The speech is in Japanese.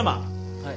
はい。